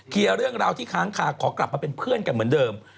เรื่องราวที่ค้างคาขอกลับมาเป็นเพื่อนกันเหมือนเดิม